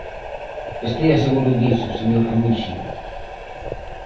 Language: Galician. Estea seguro diso, señor Remixio.